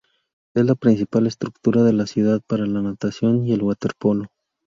Es la principal estructura de la ciudad para la natación y el waterpolo.